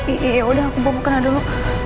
iya yaudah aku bawa makanan dulu